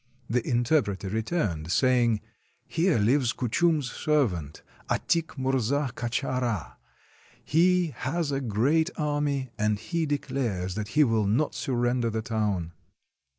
The interpreter returned, saying: — 167 RUSSIA "Here lives Kuchum's servant, Atik Murza Kachara. He has a great army, and he declares that he will not surrender the town."